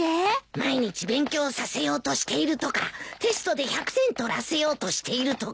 毎日勉強させようとしているとかテストで１００点取らせようとしているとか。